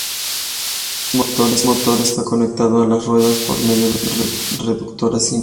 El bi-motor está conectado a las ruedas por medio de una reductora simple.